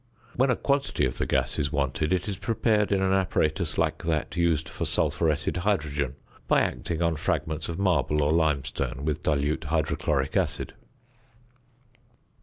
When a quantity of the gas is wanted, it is prepared, in an apparatus like that used for sulphuretted hydrogen, by acting on fragments of marble or limestone with dilute hydrochloric acid.